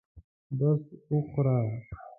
بس وخوره.